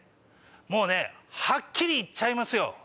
「もうねはっきり言っちゃいますよ。